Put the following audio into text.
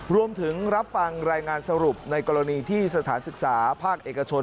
รับฟังรายงานสรุปในกรณีที่สถานศึกษาภาคเอกชน